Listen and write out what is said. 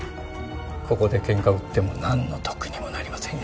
ここで喧嘩を売ってもなんの得にもなりませんよ。